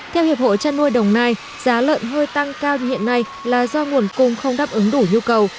theo hiệp hội chăn nuôi đồng nai giá lợn hơi tăng cao như hiện nay là do nguồn cung không đáp ứng đủ nhu cầu